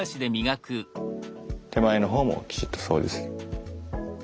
手前の方もきちっと掃除する。